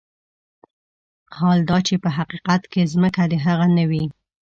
حال دا چې په حقيقت کې ځمکه د هغه نه وي.